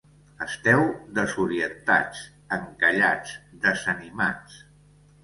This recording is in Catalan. Esteu desorientats, encallats, desanimats.